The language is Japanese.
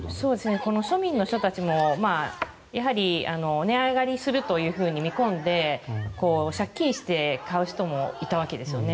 庶民の人たちもやはり値上がりすると見込んで借金して買う人もいたわけですよね。